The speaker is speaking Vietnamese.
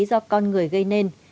do con người gây nên